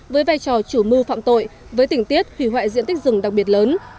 với vai trò chủ mưu phạm tội với tỉnh tiết hủy hoại diện tích rừng đặc biệt lớn